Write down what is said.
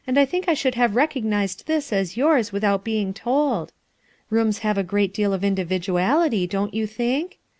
I think I should have rrcogni/eil thin a* yours wilhoul Iving loM. Room* Iiavo a great deal of individuality! don't you think?